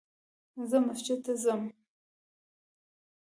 زه مسجد ته ځم